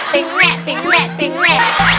ติ๊งแม่ติ๊งแม่ติ๊งแม่